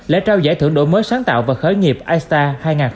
lễ trao giải thưởng đổi mới sáng tạo và khởi nghiệp i star hai nghìn hai mươi ba